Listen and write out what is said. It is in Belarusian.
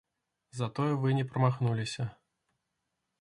Затое вы не прамахнуліся.